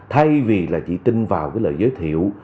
thay vì chỉ tin vào lời giới thiệu